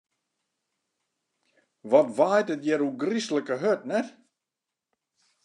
Wat waait it hjir ôfgryslike hurd, net?